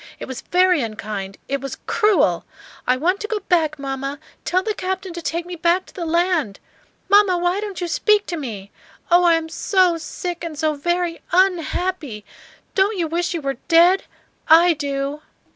It was very unkind; it was cru el. I want to go back, mamma. Tell the captain to take me back to the land. Mamma, why don't you speak to me? Oh, I am so sick and so very un happy. Don't you wish you were dead? I do!"